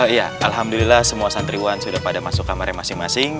iya alhamdulillah semua santriwan sudah pada masuk kamarnya masing masing